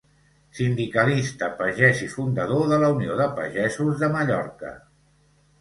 Sindicalista pagès i fundador de la Unió de Pagesos de Mallorca.